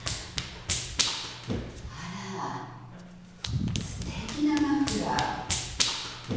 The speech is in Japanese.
あらステキなマフラー。